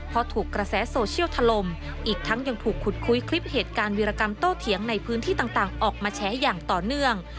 เพราะถูกกระแสโซเชียลถล่มอีกทั้งยังถูกขุดคุยคลิปเหตุการณ์วิรากรรมโต้เถียงในพื้นที่ต่างออกมาแฉอย่างต่อเนื่อง